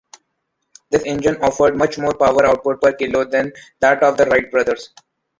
This engine offered much more power output per kilo than that of the Wright brothers.